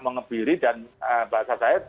mengepiri dan bahasa saya